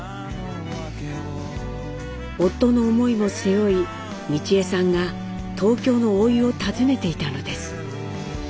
夫の思いも背負い美智榮さんが東京のおいを訪ねていたのです。